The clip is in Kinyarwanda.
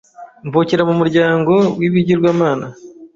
mvukira mu muryango w’ibigirwamana